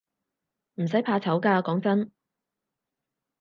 唔使怕醜㗎，講真